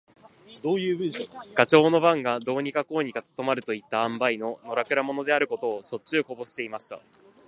ガチョウの番がどうにかこうにか務まるといった塩梅の、のらくら者であることを、しょっちゅうこぼしていました。